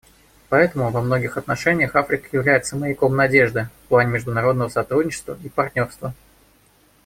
Поэтому во многих отношениях Африка является маяком надежды в плане международного сотрудничества и партнерства.